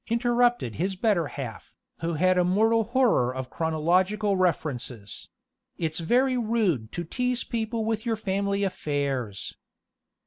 interrupted his better half, who had a mortal horror of chronological references; "it's very rude to tease people with your family affairs."